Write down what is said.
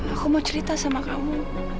aku mau cerita sama kamu